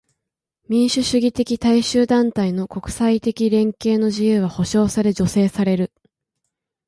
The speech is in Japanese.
民主主義的大衆団体の国際的連携の自由は保障され助成される。